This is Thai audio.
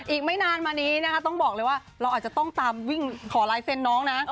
อีกไม่นานมานี้นะคะต้องบอกเลยว่าเราอาจจะต้องตามวิ่งขอลายเซ็นต์น้องนะ